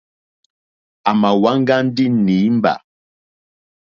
À mà wá ŋɡá ndí nǐmbà.